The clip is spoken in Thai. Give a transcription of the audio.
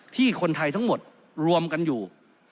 ที่คนไทยทั้งหมดรวมกันอยู่